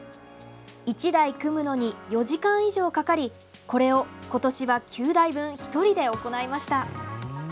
１台組むのに４時間以上かかりこれを今年は９台分１人で行いました。